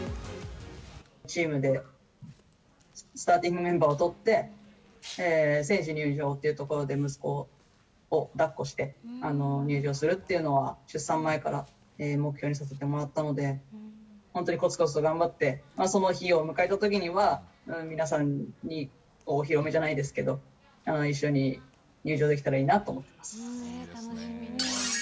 チームでスターティングメンバーをとって、選手入場というところで息子をだっこして入場するっていうのは、出産前から目標にさせてもらったので、本当にこつこつと頑張って、その日を迎えたときには、皆さんにお披露目じゃないですけど、一緒に入場できたらいいなと思ってます。